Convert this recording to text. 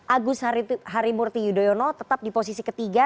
agus harimurti yudhoyono tetap di posisi ketiga